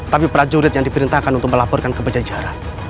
tapi prajurit yang diperintahkan untuk melaporkan kebajajaran